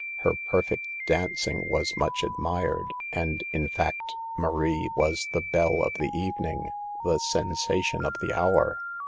Her perfect dancing was much admired, and, in fact, Marie was the belle of the evening, the sensation of the hour.